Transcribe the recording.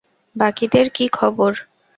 বাকিদের কী খবর?